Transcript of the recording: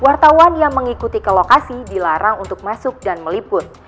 wartawan yang mengikuti ke lokasi dilarang untuk masuk dan meliput